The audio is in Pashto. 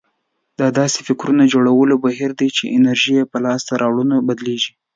دا داسې فکرونه جوړولو بهير دی چې انرژي يې په لاسته راوړنو بدلېږي.